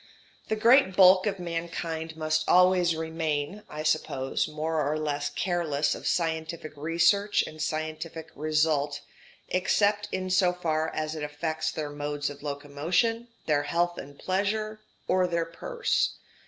The great bulk of mankind must always remain, I suppose, more or less careless of scientific research and scientific result, except in so far as it affects their modes of locomotion, their health and pleasure, or their purse.